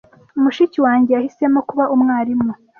Mushiki wanjye yahisemo kuba umwarimu.